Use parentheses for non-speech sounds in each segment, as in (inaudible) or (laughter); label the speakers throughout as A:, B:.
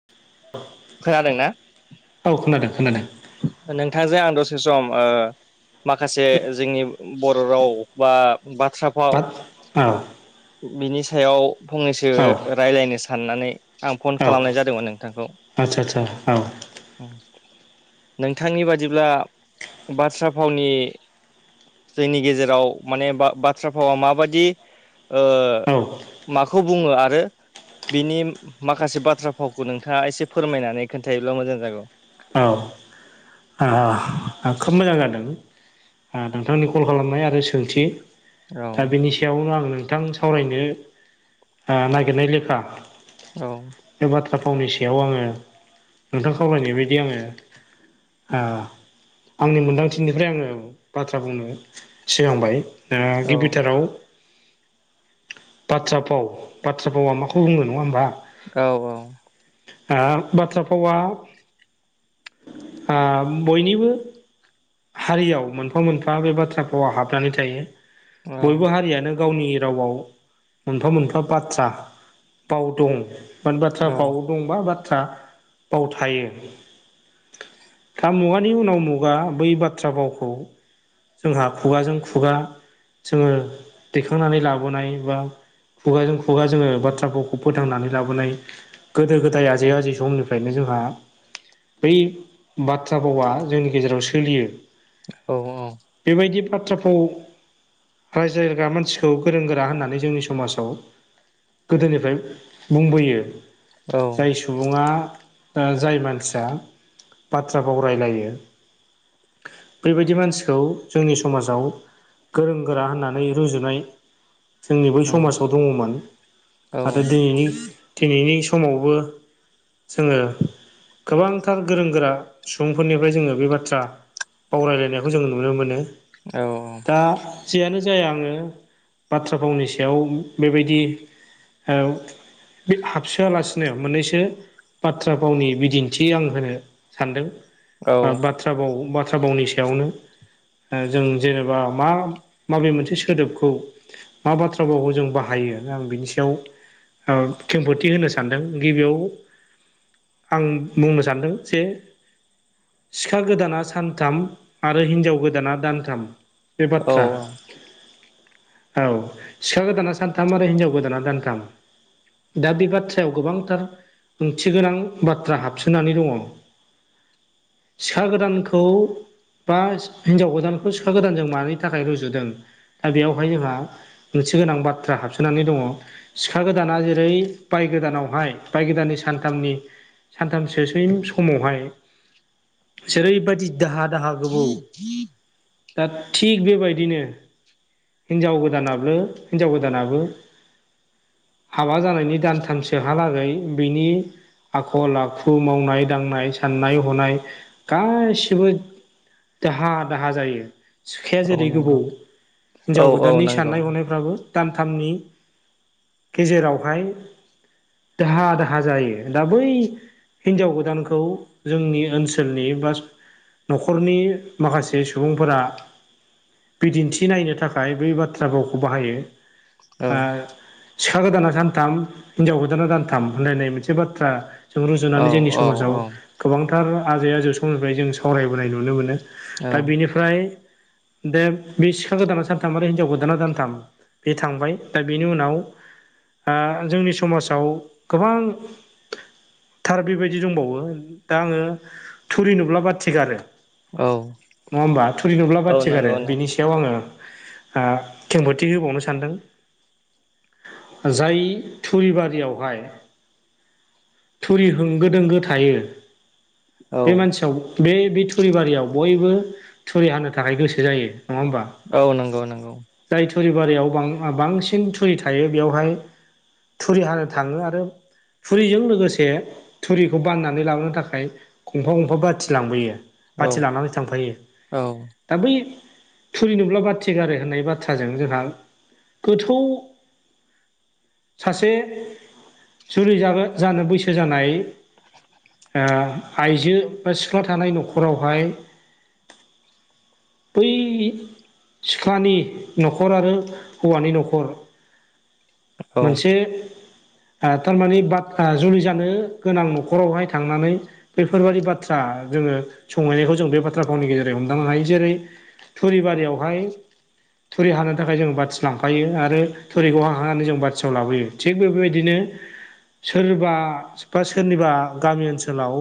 A: (unintelligible)
B: खोनादों ना?
A: औ खोनादों खोनादों।
B: नोंथांजों आं दसे सम ओ माखासे जोंनि बर' राव बा बाथ्राफाव
A: बाट औ
B: बिनि सायाव फंनैसो
A: औ
B: रायलायनो साननानै आं फन
A: औ
B: खालामनाय जादोंमोन नोंथांखौ।
A: आदसा आदसा
B: नोंथांनि बादिब्ला बाथ्रा फावनि जोंनि गेजेराव माने बा बाथ्रा भावा माबाददि ओ
A: औ
B: माखौ बुङो आरो बिनि माखासे बाथ्रा फावखौ नोंथाङा एसे फोरमायनानै खोन्थायोबब्ला मोजां जागौ।
A: औ खोब मोजां जादों नोंथांनि कल खालामबाय आरो सोंथि
B: औ
A: दा बेनि सायावनो आं नोंथां सावरायनो ओ नागिरनाय लेखा
B: औ
A: बे बाथ्रा फावनि सायाव आङो नोंथां खावलायनाय बायदि आङो ओ आंनि मोनदांथिनिफ्राय आङो बाथ्रा बुंनो सिगांबाय। ओ गिबिथाराव बाथ्रा फाव बाथ्रा भावा माखौ बुङो नङा होमबा।
B: औ औ
A: आ बाथ्रा फावा आ बयनिबो हारियाव मोनफा मोनफा बे बाथ्रा फावा हाबनानै थायो। बयबो हारियानो गावनि रावाव मोनफा मोनफा बाथ्रा भाव दं। माने बाथ्रा
B: औ
A: फाव दंबा बाथ्रा भाव थायो दा मुगानि उनाव मु गा बै बाथ्रा भावखौ जोंहा खुगाजों खुगा जोङो दैखांनानै लाबोनाय बा खुगाजों खुगा जोङो बाथ्रा भावखौ फोथांनानै लाबोनाय गोदो गोदाय आजै आजै समनिफ्रायनो जोंहा बै बाथ्रा भावा जोंनि गेजेराव सोलियो
B: औ। औ
A: बेबायदि बाथ्रा भाव रायज्लायग्रा मानसिखौ गोरों गोरा होननानै जोंनि समाजाव गोदोनिफ्राय बुंबोयो।
B: औ
A: जाय सुबुङा ओ जाय मानसिया बाथ्रा बाव रायलायो बेबायदि मानसिखौ जोंनि समाजाव गोरों गोरा होननानै रुजुनाय जोंनि बै
B: उम
A: समाजाव दङमोन
B: औ
A: आरो दिनैनि दिनैनि समावबो जोङो गोबांथार गोरों गोरा सुबुंफोरनिफ्राय जोङो बे बाथ्रा माव रायलायनायखौ जों नुनो मोनो।
B: औ औ।
A: दा जेयानो जाया आङो बाथ्रा भावनि सायाव बेबायदि औ (unintelligible) हाबसोआलासिनो मोननैसो बाथ्रा भावनि बिदिन्थि आं होनो सानदों।
B: औ
A: बा बाथ्रा भाव बाथ्रा बावनि सायावनो ओ जों जेनेबा मा माबे मोनसे सोदोबखौ मा बाथ्रा भावखौ जों बाहायो आं बिनि सायाव ओ खेंफथि होनो सानदों गिबियाव आं बुंनो सानदों जे सिखा गोदाना सानथाम आरो हिनजाव गोदाना दानथाम। बे
B: औ
A: बाथ्रा औ सिखा गोदाना सानथाम आरो हिनजाव गोदाना दानथाम दा बे बाथ्रायाव गोबांथार ओंथि गोनां बाथ्रा हाबसोनानै दङ। सिखा गोदानखौ बा हिनजाव गोदानखौ सिखा गोदानजों मानि थाखाय रुजुदों दा बेयावहाय जोंहा मोनसे गोनां बाथ्रा हाबसोनानै दङ। सिखा गोदाना जेरै बाय गोदानावहाय बाय गोदाननि सानथामनि सानथामससो सोय समावहाय जेरैबायदि दाहा दाहा गोबौ दा थिग बेबायदिनो हिनजाव गोदानाबो हिनजाव गोदानाबो हाबा जानायनि दानथामसेहालागै बिनि आखल आखु मावनाय दांनाय साननाय हनाय गासिबो दाहा दाहा जायो। सिखाया
B: औ
A: जेरै गोबौ
B: नंगौ औ
A: हिनजाव
B: औ
A: गोदाननि
B: नंगौ
A: साननाय हनायफ्राबो दानथामनि गेजेरावहाय दाहा दाहा जायो दा बै हिनजाव गोदानखौ जोंनि ओनसो - - सोलनि बा न'खरनि माखासे सुबुंफोरा बिदिन्थि नायनो थाखाय बै बाथ्रा भावखौ बाहायो
B: औ
A: ओ सिखा गोदाना सानथाम हिनजाव गोदाना दानथाम होनलायनाय मोनसे बाथ्रा जों
B: औ
A: रुजुनानै जोंनि
B: औ
A: समाजाव
B: औ
A: गोबांथार आजै आजौ समनिफ्राय जों सावरायबोनाय नुनो मोनो।
B: औ
A: दा बिनिफ्राय दा बे सिखा गोदाना सानथाम आरो हिनजाव गोदाना दानथाम बे थांबाय दा बेनि उनाव ओ जोंनि समाजाव गोबां थार बेबायदि दंबावो दा आङो थुरि नुब्लाबा थिगारो
B: औ
A: नङा होमबा थुरि नुब्ला
B: औ
A: बाथिगारो
B: नंगौ
A: बिनि सायाव आङो ओ खेंफोरथि होबावनो सानदों। जाय थुरिबारियावहाय थुरि होंगो दोंगो थायो
B: औ
A: बे मानसियाव बे बे थुरि बारियाव बयबो थुरि हानो थाखाय गोसो जायो नङा होमबा।
B: औ नंगौ नंगौ
A: जाय थुरि बारियाव बां-बांसिन थुरि थायो बेयावहाय थुरि हानो थाङो आरो थुरिजों लोगोसे थुरिखौ बाननानै लांनो थाखाय गंफा गंफा बाथि लांबोयो
B: औ
A: बाथि लानानै थांफायो।
B: औ
A: दा बै थुरि नुब्ला बाथि गारो होननाय बाथ्राजों जोंहा गोथौ सासे जुलि जागोन जानो बैसो जानाय आइजो बा सिख्ला थानाय न'खरावहाय बै सिख्लानि न'खर आरो हौवानि न'खर
B: औ
A: मोनसे ओ थारमानि बाद जुलि जानो गोनां न'खरावहाय थांनानै बेफोरबायादि बाथ्रा जोङो संहैनायखौ जों बे बाथ्रा भावनि गेजेराव हमदांनो हायो। जेरै थुरिबारियावहाय थुरि हानो थाखाय जों बाथि लांफायो आरो थुरिखौ हाखांनानै जों बाथियाव लाबोयो। थिग बेफोरबायदिनो सोरबा बा सोरनिबा गामि ओनसोलाव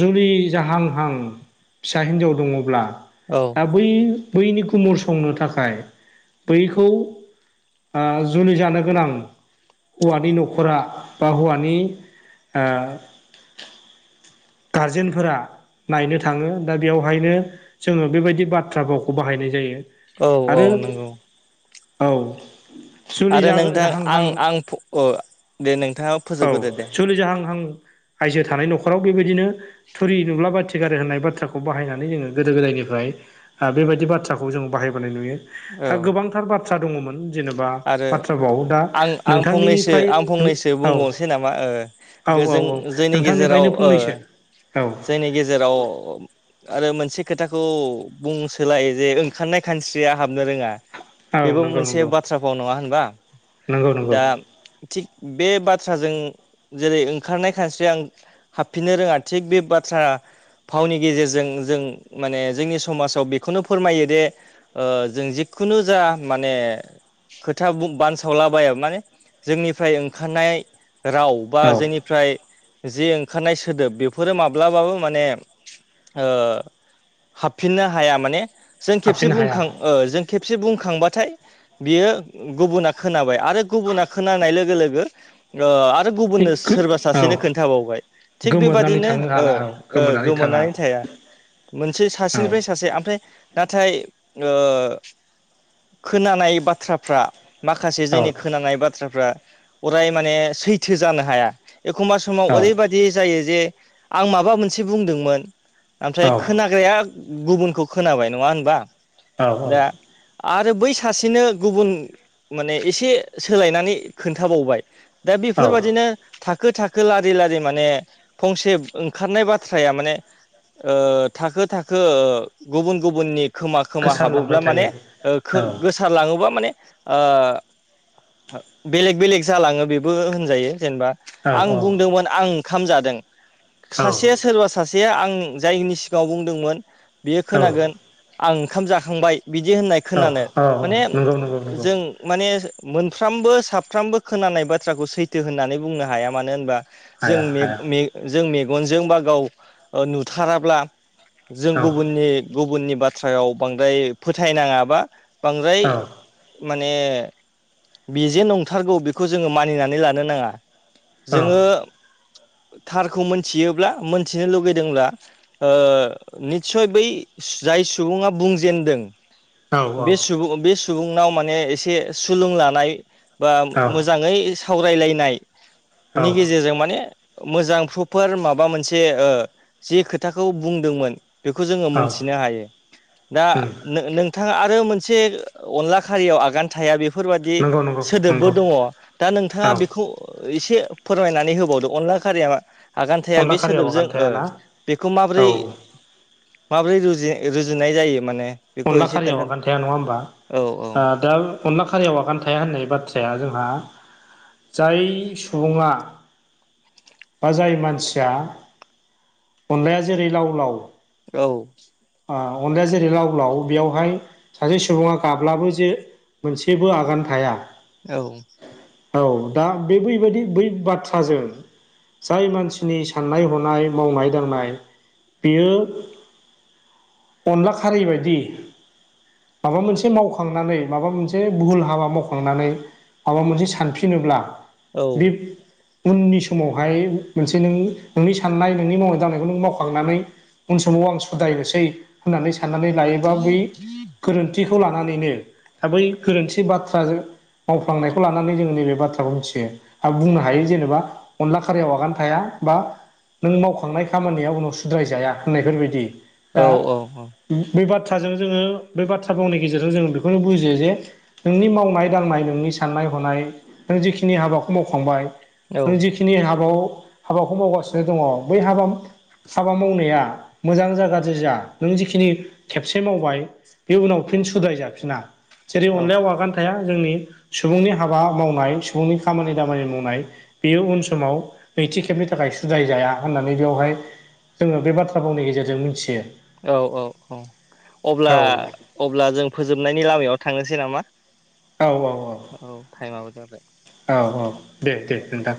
A: जुलि जाहांहां फिसा हिनजाव दङब्ला
B: औ
A: दा
B: औ
A: बै बैनि गुमुर संनो थाखाय बैखौ ओ जुलि जानो गोनां हौवानि न'खरा बा हौवानि गारजेनफोरा नायनो थाङो दा बेयावहायनो जोङो बेबायदि बाथ्रा भावखौ बाहायनाय जायो।
B: औ
A: आरो
B: नंगौ
A: औ जुलि
B: आरो नोंथां आं
A: जाहांहां
B: आं अ दे नोंथाङा
A: औ
B: फोजोबग्रोदो दे
A: जुलि जाहांहां आायजो थानाय न'खराव बेबायदिनो थुरि नुब्ला बाथि गारो होननाय बाथ्राखौ बाहायनानै जोङो गोदो गोदायनिफ्राय ओ बेबायदि बाथ्राखौ जों बाहायबोनाय नुयो
B: औ
A: दा गोबांथार बाथ्रा दङमोन। जेनेबा
B: आरो
A: बाथ्रा भाव दा
B: आं आं फंनैसो
A: नोंथांनिफ्राय
B: आं फंनैसो
A: औ
B: बुंबावनोसै नामा
A: औ
B: ओ
A: औ
B: जों
A: औ
B: जोंनि गेजेराव
A: नोंथांनिफ्रायनो
B: ओ
A: फंनैसो औ
B: जोंनि गेजेराव आरो मोनसे खोथाखौ बुं सोलाय जे ओंखारनाय खानस्रिया हाबनो रोङा।
A: औ
B: बेबो
A: नंगौ
B: मोनसे
A: नंगौ
B: बाथ्रा फाव नङा होनबा
A: नंगौ नंगौ
B: दा थिग बे बाथ्राजों जेरै ओंखारनाय खानस्रि आं हाबफिननो रोङा थिग बे बाथ्रा फावनि गेजेरजों जों माने जोंनि समाजाव बेखौनो फोरमायो दि ओ जों जिखुनु जा माने खोथा बुं बानसावलाबाया माने जोंनिफ्राय ओंखारनाय राव बा
A: औ
B: जोंनिफ्राय जि ओंखारनाय सोदोब बेफोरो माब्लाबाबो माने ओ हाबफिननो हाया माने जों खेबसे
A: हाबफिननो हाया
B: बुंखां ओ जों खेबसे बुंखांबाथाय बियो गुबुना खोनाबाय आरो गुबुना खोनानाय लोगो लोगो ओ आरो
A: बे
B: गुबुननो
A: गो
B: सोरबा
A: औ
B: सासेनो खोन्थाबावबाय। थिग
A: गोमोरनानै
B: बेबादिनो
A: थांनो
B: ओ
A: हाला औ
B: ओ
A: थाङा
B: गोमोरनानै थाया। मोनसे
A: औ
B: सासेनिफ्राय सासे ओमफ्राय नाथाय ओ खोनानाय बाथ्राफ्रा माखासे
A: औ
B: जोंनि खोनानाय बाथ्राफ्रा अराय माने सैथो जानो हाया। एखमबा समाव
A: औ
B: ओरैबायाददि जायो जे आं माबा मोनसे बुंदोंमोन ओमफ्राय
A: औ
B: खोन हाग्राया गुबुनखौ खोनाबाय नङा होनबा
A: औ
B: दा आरो बै सासेनो गुबुन माने एसे सोलायनानै खोन्थाबावबाय दा
A: औ
B: बेफोरबादिनो थाखो थाखो लारि लारि माने फंसे ओंखारनाय बाथ्राया माने ओ थाखो थाखो गुबुन गुबुननि खोमा खोमा
A: गोसारलांबाय
B: हाबोब्ला माने
A: थायो औ
B: गोसार लाङोबा माने ओ बेलेग बेलेग जालाङो बेबो होनजायो जेनेबा
A: औ
B: आं
A: औ
B: बुंदोंमोन आं ओंखाम जादों
A: औ
B: सासे सोरबा सासे आं जायनि सिगाङाव बुंदोंमोन बेयो
A: औ
B: खोनागोन आं ओंखाम जाखांबाय बिदि होननाय
A: औ
B: खोनानो
A: औ औ
B: माने
A: नंगौ नंगौ नंगौ।
B: जों माने मोनफ्रोमबो साफ्रोमबो खोनानाय बाथ्राखौ सैथो होननानै बुंनो हाया मानो होनबा जों
A: हाया हाया
B: मे-मे जों मेगनजों बा गाव नुथाराब्ला जों
A: औ
B: गुबुननि गुबुननि बाथ्रायाव बांद्राय फोथायनाङाबा बांद्राय
A: औ
B: माने बे जे नंथारगौ बेखौ जोङो मानिनानै लानो नाङा।
A: औ
B: जोङो थारखौ मोनथियोब्ला मोनथिनो लुगैदोंब्ला ओ निसय बै जाय सुबुङा बुंजेेनदों।
A: औ
B: बे सुबुं बे सुबुंनाव माने एसे सुलुं लानाय बा
A: औ
B: मोजाङै
A: औ
B: सावरायलायनायनि गेजेरजों माने मोजां प्रपार माबा मोनसे ओ जे खोथाखौ बुंदोंमोन। बेखौ जोङो मोनथिनो हायो दा
A: उम
B: नों नोंथाङा आरो मोनसे अनला खारियाव आगान थाया बेफोरबादि
A: नंगौ नंगौ
B: सोदोबबो
A: नंगौ
B: दङ दा नोंथाङा
A: औ
B: बेखौ एसे फोरमायनानै होबावदो अनला खारिया मा आगान थाया
A: अनला
B: बे
A: खारियाव
B: सोदोबजों
A: आगान
B: ओ
A: थायाना
B: बेखौ
A: औ
B: माबोरै माबोरै रुजु रुजुनाय जायो माने बेखौ
A: अनदला
B: एसे
A: खारियाव
B: खोन्था
A: आगोन थाया नङा होमबा?
B: औ औ।
A: ओ दा अनला खारियाव आगान थाया होननाय बाथ्राया जोंहा जाय सुबुङा बा जाय मानसिया अनलाया जेरै लाव लाव
B: औ
A: आ अनलाया जेरै लाव अब्लााव बेयावहाय सासे सुबुङा गाब्लाबो जे मोनसेबो आगान थाया
B: औ।
A: औ दा बे बैबायाददि बै बाथ्राजों जाय मानसिनि साननाय हनाय मावनाय दांनाय बियो अनला खारिै बायदि माबा मोनसे मावखांनानै माबा मोनसे भुहुल हाबा मावखांनानै माबा मोनसे सानफिनोब्ला
B: औ
A: बे उननि समावहाय मोनसे नों नोंनि साननाय नोंनि मावनाय दांनायखौ नों मावखांनानै उन समाव आं सुद्रायनोसै होननानै साननानै लायोबा बै गोरोन्थि खौ लानानैनो था बै गोरोन्थि बाथ्राजों मावफ्लांनायखौ लानानै जोंङो नैबे बाथ्राखौ मिथियो। बुंनो हायो जेनेबा अनला खारियाव आगान थाया बा नों मावखांनाय खामानिया उनाव सुद्राय जाया होननायफोरबायदि
B: औ
A: दा बै बाथ्राजों जोङो बे बाथ्रा बुंनायनि गेजेरजों जोङो बेखौनो बुजियो जे नोंनि मावनाय दांनाय नोंनि साननाय हनाय नों जिखिनि हाबाखौ मावखांबाय नों जिखिनि खिनि हाबा हाबाखौ मावगासिनो दङ बै हाबा हाबा मावनाया मोजां जा गाज्रि जा नों जिखिनि खेबसे मावबाय बे उनाव फिन सुद्रायजाफिना जेरै अनलायाव आगान थाया जोंनि सुबुंनि हाबा मावनाय सुबुंनि खामानि दामानि मावनाय बेयो उन समाव नैथि खेबनि थाखाय सुद्रायजाया होननानै बेयावहाय जोङो बे बाथ्रा भावनि गेजेरजों मिथियो।
B: औ औ औ अब्ला
A: औ
B: अब्ला जों फोजोबनायनि लामायाव थांनोसै नामा?
A: औ औ औ
B: औ टाइमाबो जाबाय।
A: औ औ दे दे नोंथां।